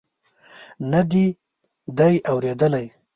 نه دې دي اورېدلي.